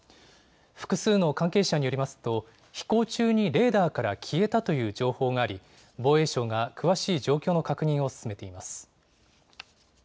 複数の関係者によりますと飛行中にレーダーから消えたという情報があり、防衛省が詳しい状況の確認を進めています。